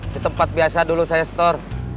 di tempat biasa dulu saya store